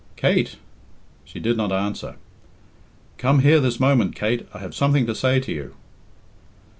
"Kate!" She did not answer. "Come here this moment, Kate. I have something to say to you."